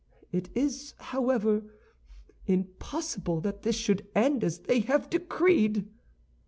It is, however, impossible that this should end as they have decreed!"